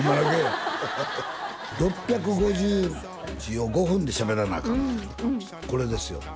６５０字を５分でしゃべらなあかんこれですよ